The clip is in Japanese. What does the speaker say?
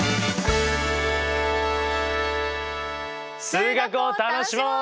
数学を楽しもう！